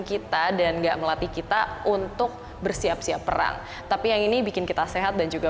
kita dan enggak melatih kita untuk bersiap siap perang tapi yang ini bikin kita sehat dan juga